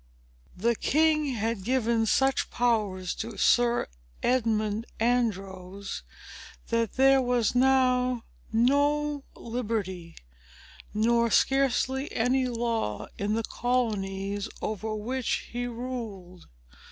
The king had given such powers to Sir Edmund Andros, that there was now no liberty, nor scarcely any law, in the colonies over which he ruled.